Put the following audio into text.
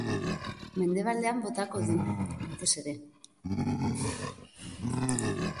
Mendebaldean botako du, batez ere.